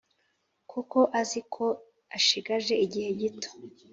kuko azi ko ashigaje igihe gito